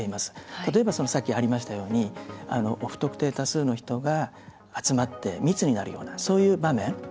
例えばさっき、ありましたように不特定多数の人が集まって密になるような場面。